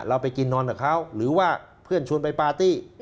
เราไปกินนอนกับเขาหรือว่าเพื่อนชวนไปปาร์ตี้